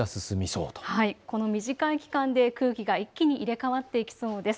短い期間で空気が一気に入れ代わっていきそうです。